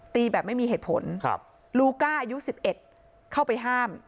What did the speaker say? แบบไม่มีเหตุผลลูก้าอายุ๑๑เข้าไปห้าม